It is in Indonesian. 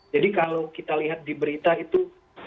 jadi kalau kita lihat di berita itu